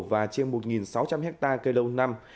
và trên một sáu trăm linh hectare cây lâu năm